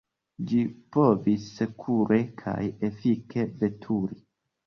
Ĝi povis sekure kaj efike veturi.